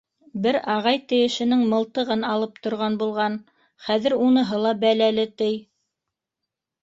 Бер ағай тейешенең мылтығын алып торған булған, хәҙер уныһы ла бәләле, тей.